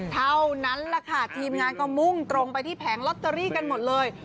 เท่านั้นแหละค่ะทีมงานก็มุ่งตรงไปที่แผงลอตเตอรี่กันหมดเลย